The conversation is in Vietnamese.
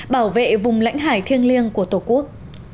bảo vệ vùng lãnh hải thiêng liêng của tổ quốc